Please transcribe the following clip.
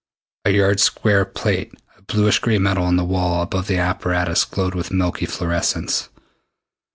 A yard square plate of bluish gray metal on the wall above the apparatus glowed with milky fluorescence.